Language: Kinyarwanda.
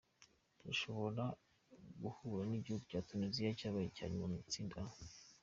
Rushobora guhura n’igihugu cya Tuniziya cyabaye icya nyuma mu itsinda A.